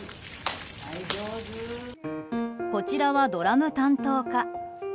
こちらはドラム担当か。